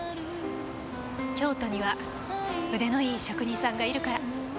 京都には腕のいい職人さんがいるから。